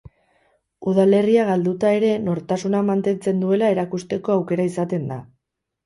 Udalerria galduta ere nortasuna mantentzen duela erakusteko aukera izaten da.